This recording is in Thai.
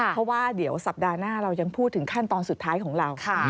เพราะว่าเดี๋ยวสัปดาห์หน้าเรายังพูดถึงขั้นตอนสุดท้ายของเรา